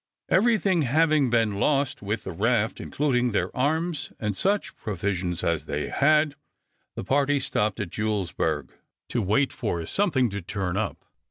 Everything having been lost with the raft, including their arms and such provisions as they had, the party stopped at Julesburg to wait for something to turn up.